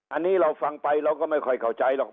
อันนี้เราฟังไปเราก็ไม่ค่อยเข้าใจหรอก